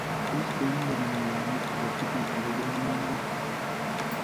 tos koinyoru murwone age tugul akobo inendet